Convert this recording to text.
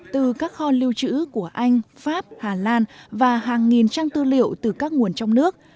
từ các kho lưu trữ của anh pháp hà lan và hàng nghìn trang tư liệu từ các nguồn trong nước